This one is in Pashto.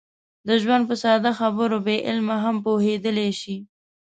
د ژوند په ساده خبرو بې علمه هم پوهېدلی شي.